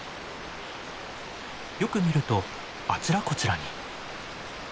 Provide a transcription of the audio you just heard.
よく見るとあちらこちらに。